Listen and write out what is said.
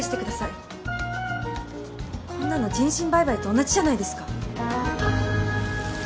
こんなの人身売買と同じじゃないですか。